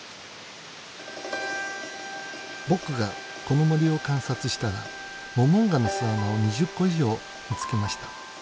僕がこの森を観察したらモモンガの巣穴を２０個以上見つけました。